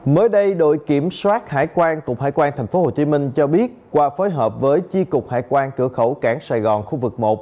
mới đây đội kiểm soát hải quan cục hải quan tp hcm cho biết qua phối hợp với chi cục hải quan cửa khẩu cảng sài gòn khu vực một